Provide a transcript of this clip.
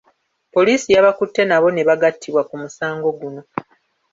Poliisi yabakutte nabo ne bagattibwa ku musango guno.